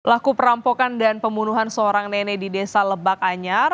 laku perampokan dan pembunuhan seorang nenek di desa lebak anyar